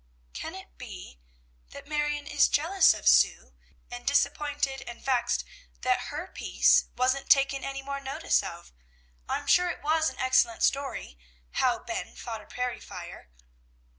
"Can it be that Marion is jealous of Sue, and disappointed and vexed that her piece wasn't taken any more notice of? I'm sure it was an excellent story, 'How Ben Fought a Prairie Fire.'"